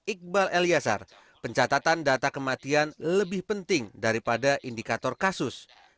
iqbal eli yasar pencatatan data kematian lebih penting daripada indikator kasus